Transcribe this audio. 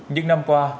những năm qua